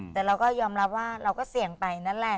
แต่เราก็ยอมรับว่าเราก็เสี่ยงไปนั่นแหละ